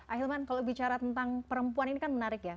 ahilman kalau bicara tentang perempuan ini kan menarik ya